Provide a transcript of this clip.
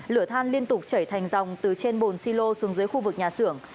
lửa than liên tục chảy thành dòng từ trên bồn silo xuống dưới khu vực nhà xưởng